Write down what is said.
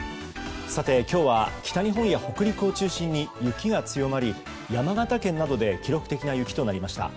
さて、今日は北日本や北陸を中心に雪が強まり山形県などで記録的な雪となりました。